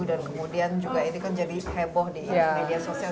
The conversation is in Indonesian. dan kemudian juga ini kan jadi heboh di media sosial